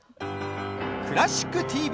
「クラシックＴＶ」